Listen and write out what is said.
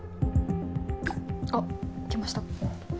あっ来ました。